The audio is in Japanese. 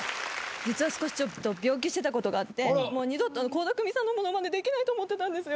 実は病気してたことがあって二度と倖田來未さんのモノマネできないと思ってたんですよ。